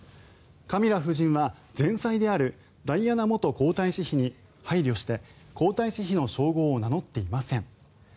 カミラ夫人は前妻であるダイアナ元皇太子妃に配慮して、皇太子妃の称号を名乗っていません。